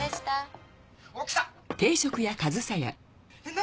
何？